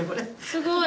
すごい。